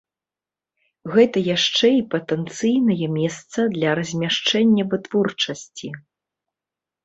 Гэта яшчэ і патэнцыйнае месца для размяшчэння вытворчасці.